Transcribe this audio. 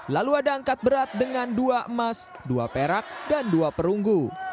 lalu ada angkat berat dengan dua emas dua perak dan dua perunggu